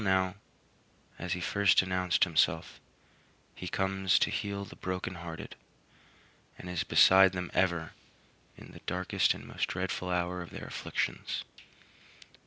Still now, as he first announced himself, he comes "to heal the broken hearted," and is beside them ever in the darkest and most dreadful hour of their afflictions.